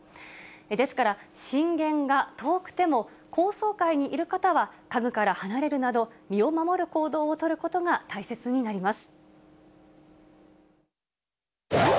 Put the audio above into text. ですから、震源が遠くても、高層階にいる方は家具から離れるなど、身を守る行動を取ることが大切になります。